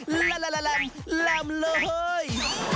แหลมเลย